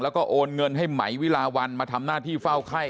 แล้วก็โอนเงินให้ไหมวิลาวันมาทำหน้าที่เฝ้าไข้